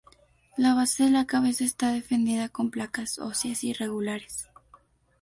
La base de la cabeza está defendida con placas óseas irregulares.